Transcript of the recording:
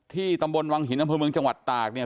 ตำบลวังหินอำเภอเมืองจังหวัดตากเนี่ย